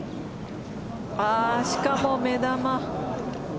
しかも目玉。